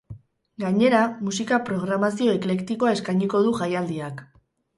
Gainera, musika programazio eklektikoa eskainiko du jaialdiak.